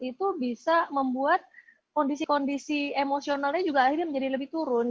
itu bisa membuat kondisi kondisi emosionalnya juga akhirnya menjadi lebih turun